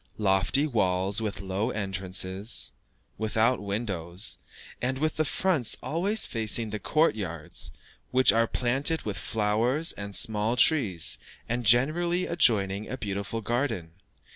Lofty walls with low entrances, without windows, and with the fronts always facing the court yards, which are planted with flowers and small trees, and generally adjoining a beautiful garden.